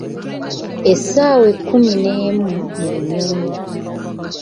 Essaawa ekkumi n'emu mu bunyonyi .